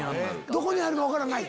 どこにあるか分からない？